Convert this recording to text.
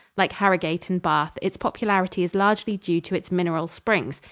Like Harrogate and Bath, its popularity is largely due to its mineral springs.